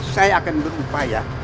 saya akan berupaya